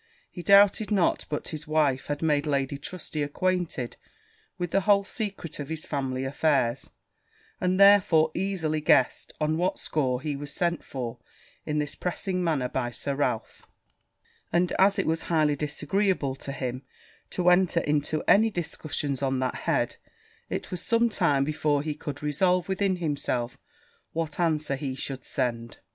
He doubted not but his wife had made Lady Trusty acquainted with the whole secret of his family affairs; and therefore easily guessed on what score he was sent for in this pressing manner by Sir Ralph; and, as it was highly disagreeable to him to enter into any discussions on that head, it was some time before he could resolve within himself what answer he should send.